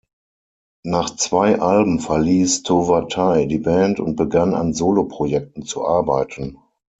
Nach zwei Alben verließ Towa Tei die Band und begann an Soloprojekten zu arbeiten.